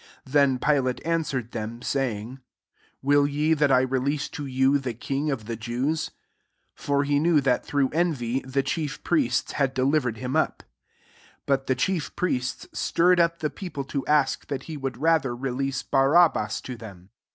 9 Then Pilate answered them, saying, " Will ye that I release to you the king of the Jews ?'> 10 (For he knew that through envy the, chief priests had delivered him up.) 11 But the chief priests stirred up the people to aair, that he would ra ther release Barabbas to them.